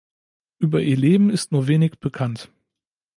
Über ihr Leben ist nur wenig bekannt.